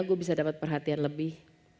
gue bisa dapat perhatian lebih